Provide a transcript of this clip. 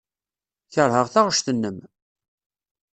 Keṛheɣ taɣect-nnem.